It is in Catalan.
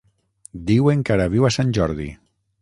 Diuen que ara viu a Sant Jordi.